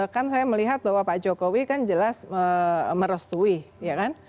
kan saya melihat bahwa pak jokowi kan jelas merestui ya kan